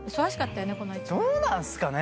どうなんすかね？